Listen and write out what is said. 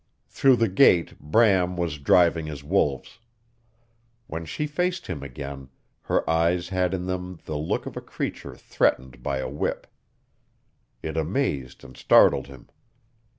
Through the gate Bram was driving his wolves. When she faced him again, her eyes had in them the look of a creature threatened by a whip. It amazed and startled him.